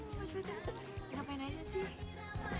mas reda ngapain aja sih